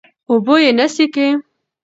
وبه يې نڅېږي